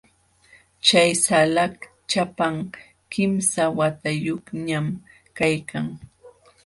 Chay salakaq ćhapam, kimsa watayuqñam kaykan.